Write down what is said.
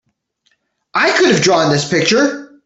I could have drawn this picture!